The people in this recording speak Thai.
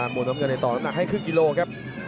ประหยัดแก้ไขครับ